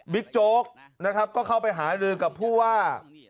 วิทย์โจ๊กก็เข้าไปหาลืมกับผู้ว่า